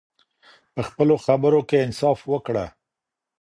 په خپلو خبرو کې انصاف وکړه.